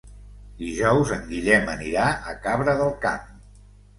Dijous en Guillem anirà a Cabra del Camp.